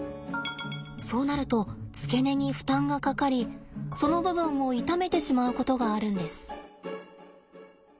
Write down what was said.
そうなると付け根に負担がかかりその部分を痛めてしまうことがあるんです。